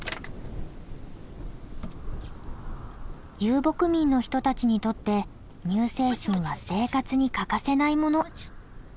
遊牧民の人たちにとって乳製品は生活に欠かせないもの。